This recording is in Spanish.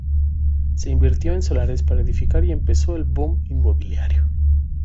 Se invirtió en solares para edificar y empezó el boom inmobiliario.